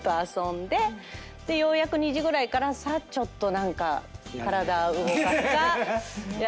ようやく２時ぐらいからちょっと何か体動かすか。